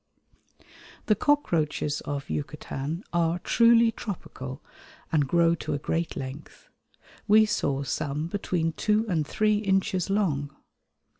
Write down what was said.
The cockroaches of Yucatan are truly tropical, and grow to a great length. We saw some between two and three inches long.